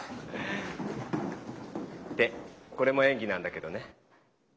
ってこれも演技なんだけどね。